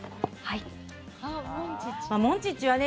モンチッチはね